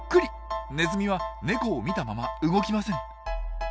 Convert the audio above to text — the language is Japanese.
ネズミはネコを見たまま動きません。